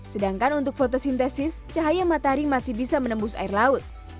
sedangkan untuk fotosintesis cahaya matahari masih bisa menembus air laut